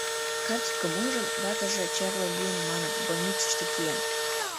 Картычкым ужын, ватыже черле лийын маныт, больницыште киен.